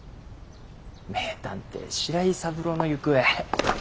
名探偵白井三郎の行方。